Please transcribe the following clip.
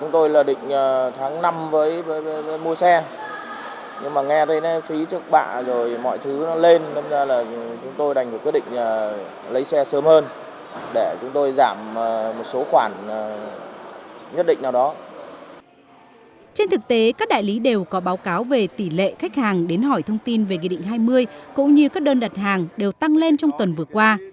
trên thực tế các đại lý đều có báo cáo về tỷ lệ khách hàng đến hỏi thông tin về nghị định hai mươi cũng như các đơn đặt hàng đều tăng lên trong tuần vừa qua